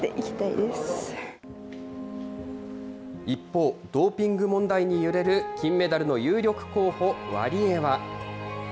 一方、ドーピング問題に揺れる金メダルの有力候補、ワリエワ。